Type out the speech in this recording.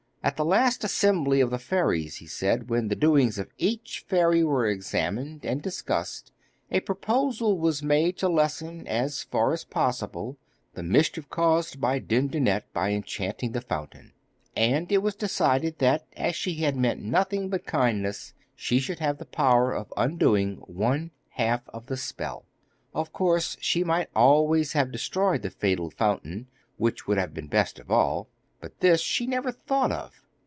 'At the last assembly of the fairies,' he said, 'when the doings of each fairy were examined and discussed, a proposal was made to lessen, as far as possible, the mischief caused by Dindonette by enchanting the fountain. And it was decided that, as she had meant nothing but kindness, she should have the power of undoing one half of the spell. Of course she might always have destroyed the fatal fountain, which would have been best of all; but this she never thought of.